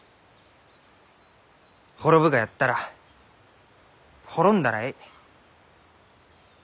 滅ぶがやったら滅んだらえい。